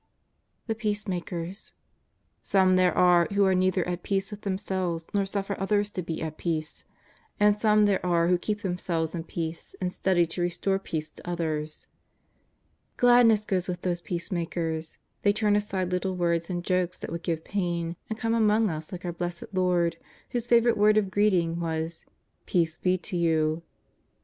The 'peacemakers. " Some there are who are neither at peace with themselves nor suffer others to be at peace. And some there are who keep themselves in peace and study to restore peace to others."* Gladness goes with these peacemakers; they turn aside little words and jokes that would give pain, and come among us like our Blessed Lord whose favourite word of greeting was: " Peace be to you."